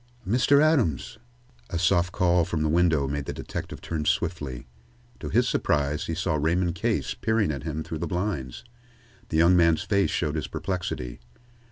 "Mr. Adams!" A soft call from the window made the detective turn swiftly. To his surprise, he saw Raymond Case peering at him through the blinds. The young man's face showed his perplexity.